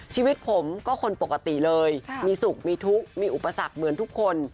ชีวิตผมก็คนปกติเลยมีสุขมีทุกข์มีอุปสรรคเหมือนทุกคน